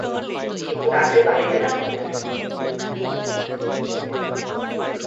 কিন্তু রাতে বাড়িতে না ফেরায় পরিবারের লোকজন তাকে খুঁজতে বের হয়।